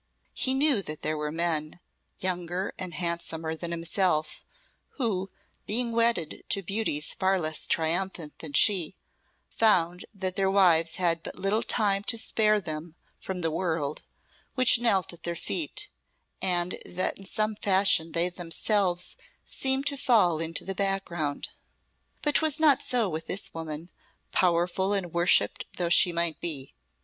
He knew that there were men, younger and handsomer than himself, who, being wedded to beauties far less triumphant than she, found that their wives had but little time to spare them from the world, which knelt at their feet, and that in some fashion they themselves seemed to fall into the background. But 'twas not so with this woman, powerful and worshipped though she might be.